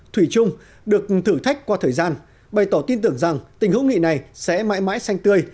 thủy chung được thử thách qua thời gian bày tỏ tin tưởng rằng tình hữu nghị này sẽ mãi mãi xanh tươi